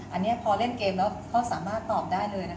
อันนี้พอเล่นเกมแล้วเขาสามารถตอบได้เลยนะคะ